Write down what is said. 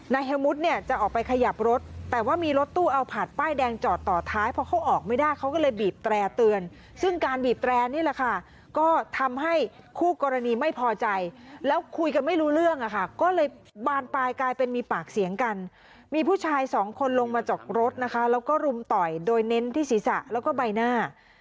เฮลมุดเนี่ยจะออกไปขยับรถแต่ว่ามีรถตู้เอาผาดป้ายแดงจอดต่อท้ายพอเขาออกไม่ได้เขาก็เลยบีบแตร่เตือนซึ่งการบีบแตรนี่แหละค่ะก็ทำให้คู่กรณีไม่พอใจแล้วคุยกันไม่รู้เรื่องอะค่ะก็เลยบานปลายกลายเป็นมีปากเสียงกันมีผู้ชายสองคนลงมาจากรถนะคะแล้วก็รุมต่อยโดยเน้นที่ศีรษะแล้วก็ใบหน้า